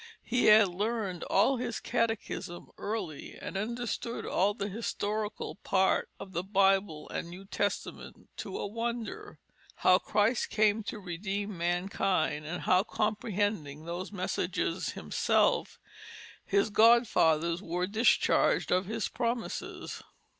He had learned all his Catechism early, and understood all the historical part of the Bible and New Testament to a wonder, how Christ came to redeem mankind, and how comprehending those messages himself, his godfathers were discharged of his promises.